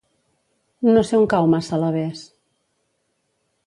No sé on cau Massalavés.